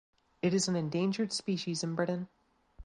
It is an endangered species in Britain.